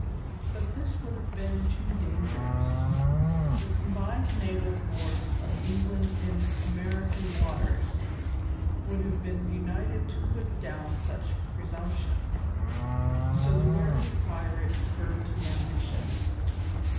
But this would have been too dangerous; the combined naval force of England in American waters would have been united to put down such presumption. So the wary pirate curbed his ambition.